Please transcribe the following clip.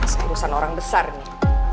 sekurusan orang besar nih